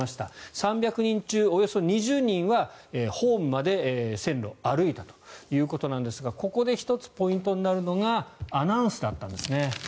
３００人中およそ２０人はホームまで線路を歩いたということですがここで１つ、ポイントになるのがアナウンスだったんですね。